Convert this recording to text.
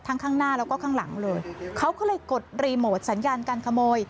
ข้างข้างหน้าแล้วก็ข้างหลังเลยเขาก็เลยกดรีโมทสัญญาการขโมย